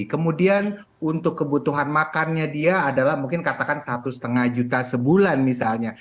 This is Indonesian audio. kemudian untuk kebutuhan makannya dia adalah mungkin katakan satu lima juta sebulan misalnya